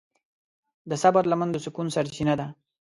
د صبر لمن د سکون سرچینه ده.